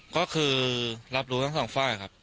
ก็คือรับรู้ทั้งสองฝ่ายครับ